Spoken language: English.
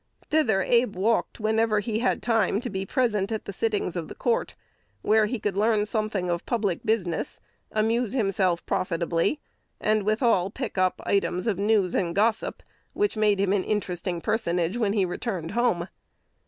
Thither Abe walked whenever he had time to be present at the sittings of the court, where he could learn something of public business, amuse himself profitably, and withal pick up items of news and gossip, which made him an interesting personage when he returned home.